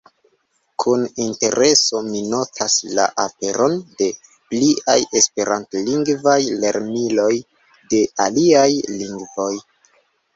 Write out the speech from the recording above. Kun intereso mi notas la aperon de pliaj esperantlingvaj lerniloj de aliaj lingvoj.